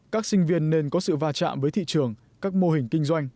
các sinh viên nên có sự va chạm với thị trường các mô hình kinh doanh